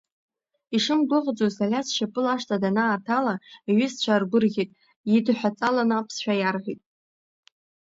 Ишымгәыӷӡоз, Алиас шьапыла ашҭа данааҭала, иҩызцәа аргәырӷьеит, идҳәаҵаланы аԥсшәа иарҳәеит.